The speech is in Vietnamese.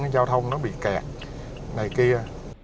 cái giao thông nó bị kẹt này kia